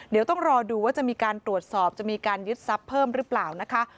เดี๋ยวต้องรอดูว่าจะมีการตรวจสอบจะมีการยึดทรัพย์เพิ่มหรือเปล่านะคะ